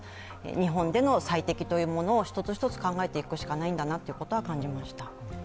日本での最適というものを一つ一つ考えていくしかないのだなと感じました。